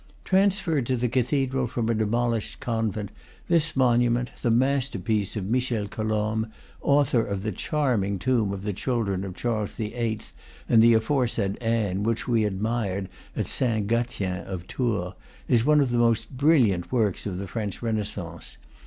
Trans ferred to the cathedral from a demolished convent, this monument, the masterpiece of Michel Colomb, author of the charming tomb of the children of Charles VIII. and the aforesaid Anne, which we admired at Saint Gatien of Tours, is one of the most brilliant works of the French Renaissance.